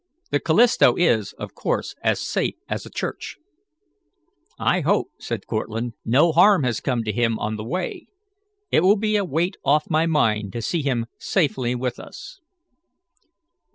The Callisto is, of course, as safe as a church." "I hope," said Cortlandt, "no harm has come to him on the way. It will be a weight off my mind to see him safely with us."